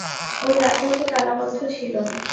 ঐ রাতেও তো তালাবন্ধ ছিল।